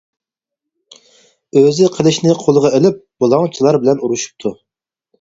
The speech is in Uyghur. ئۆزى قىلىچنى قولىغا ئېلىپ، بۇلاڭچىلار بىلەن ئۇرۇشۇپتۇ.